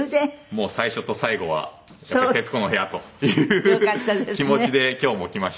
もう最初と最後はやっぱり『徹子の部屋』という気持ちで今日も来ました。